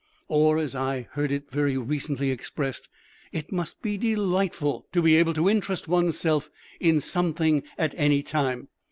Or, as I heard it very recently expressed, "It must be delightful to be able to interest one's self in something at any time."